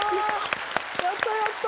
やったやった！